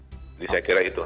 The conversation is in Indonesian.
jadi saya kira itu